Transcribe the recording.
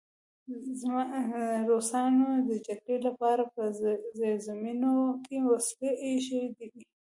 روسانو د جګړې لپاره په زیرزمینیو کې وسلې ایښې وې